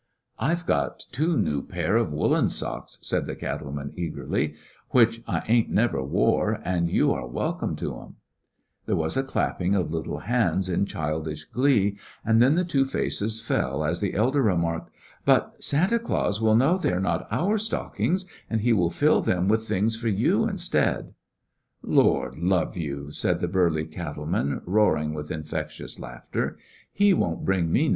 "I Ve got two new pair of woollen socks/* said the cattle man^ eagerlyj "which I ain't never wore^ and you are welcome to 'em,'' There was a clapping of little hands in Anticipation childish glee, and then the two faces fell as the elder remarked : "But Santa Clans will know they are not our stockings^ and he will fill them with things for you instead." *fLord love you," said the burly cattle man, roaring with infectious laughter, "he won't bring me nothin'.